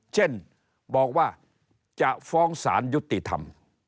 เช่นบอกว่าจะฟ้องสารยุติธรรม